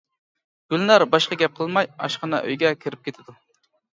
گۈلنار باشقا گەپ قىلماي ئاشخانا ئۆيگە كىرىپ كېتىدۇ.